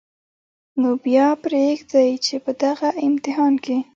نو بیا پرېږدئ چې په دغه امتحان کې